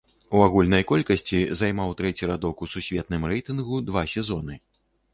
У агульнай колькасці займаў трэці радок у сусветным рэйтынгу два сезоны.